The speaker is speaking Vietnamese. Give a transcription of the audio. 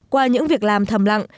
qua những việc làm thầm lặng